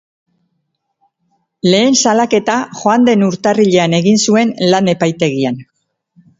Lehen salaketa joan den urtarrilean egin zuen lan epaitegian.